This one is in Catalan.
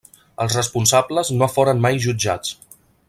Els responsables no foren mai jutjats.